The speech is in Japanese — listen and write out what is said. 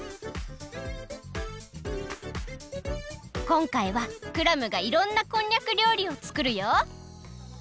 こんかいはクラムがいろんなこんにゃくりょうりをつくるよ！